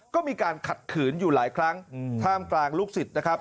ก็มีการขัดขืนอยู่หลายครั้งท่ามกลางลูกศิษย์นะครับ